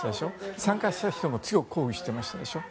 参加した人たちも強く抗議してましたでしょ。